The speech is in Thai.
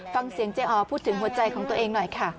ฟังเสียงเจ๊อ๋อพูดถึงหัวใจของตัวเองหน่อยค่ะ